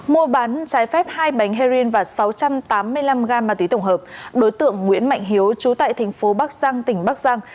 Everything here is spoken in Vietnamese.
mua bán trái phép hai bánh heroin và sáu trăm tám mươi năm g ma túy tổng hợp đối tượng nguyễn mạnh hiếu chú tại tp bắc giang tỉnh bắc giang